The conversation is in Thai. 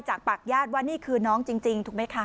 จากปากญาติว่านี่คือน้องจริงถูกไหมคะ